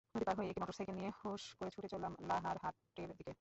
নদী পার হয়েই একটা মোটরসাইকেল নিয়ে হুঁশ করে ছুটে চললাম লাহারহাটের দিকে।